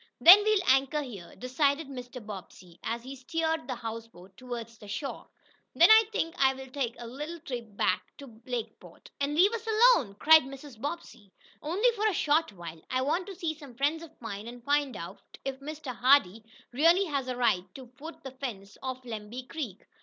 "Then we'll anchor here," decided Mr. Bobbsey, as he steered the houseboat toward shore. "Then I think I'll take a little trip back to Lakeport." "And leave us alone?" cried Mrs. Bobbsey. "Only for a short while. I want to see some friends of mine, and find out if Mr. Hardee really has the right to fence off Lemby Creek.